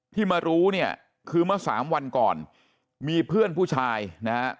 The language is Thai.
ที่มารู้เนี่ยคือเมื่อสามวันก่อนมีเพื่อนผู้ชายนะฮะ